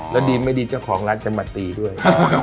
แล้วดีไม่ดีเจ้าของร้านจะมาตีด้วย